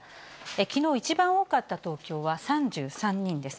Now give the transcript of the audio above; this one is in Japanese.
きのう一番多かった東京は３３人です。